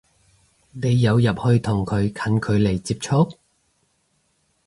你有入去同佢近距離接觸？